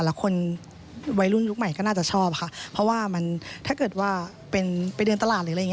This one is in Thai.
แล้วคนวัยรุ่นยุคใหม่ก็น่าจะชอบฮะเพราะว่ามันถ้าเกิดว่าเป็นไปเดินตลาด